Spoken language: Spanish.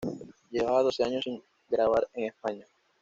Llevaba doce años sin grabar en España.